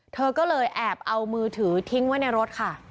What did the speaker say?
เธอก็เลยแอบเอามือถือทิ้งไว้ในรถค่ะ